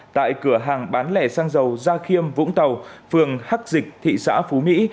tại cửa hàng bán lẻ xăng dầu gia khiêm vũng tàu phường hắc dịch thị xã phú mỹ